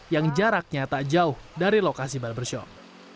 yang jaraknya tak jauh dari lokasi barbershop